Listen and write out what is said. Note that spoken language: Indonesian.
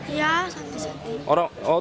iya santi santi